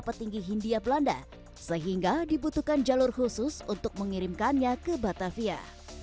petinggi hindia belanda sehingga dibutuhkan jalur khusus untuk mengirimkannya ke batavia